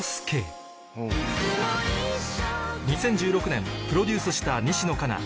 ２０１６年プロデュースした西野カナ